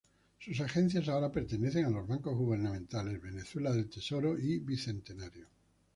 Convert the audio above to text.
Sus agencias ahora pertenecen a los bancos gubernamentales: Venezuela, Del Tesoro y Bicentenario.